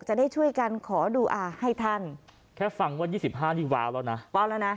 จะได้ช่วยกันขอดูอาให้ท่านแค่ฟังว่ายี่สิบห้านี่วาวแล้วน่ะ